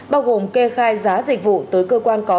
bao gồm kê khai giá dịch vụ tới cơ quan có dịch vụ